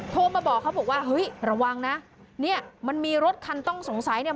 โทรมาบอกเขาบอกว่าเฮ้ยระวังนะเนี่ยมันมีรถคันต้องสงสัยเนี่ย